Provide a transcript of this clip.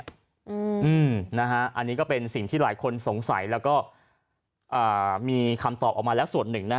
อันนี้ก็เป็นสิ่งที่หลายคนสงสัยแล้วก็มีคำตอบออกมาแล้วส่วนหนึ่งนะ